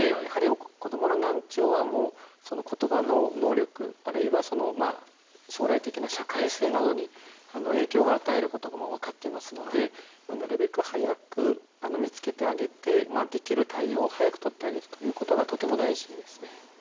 やはり子どもの難聴は言葉の能力あるいは将来的な社会性などに影響を与えることがもう分かっていますのでなるべく早く見つけてあげてできる対応を早く取ってあげるということがとても大事ですね。